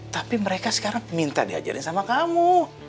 tapi mereka sekarang minta diajarin sama kamu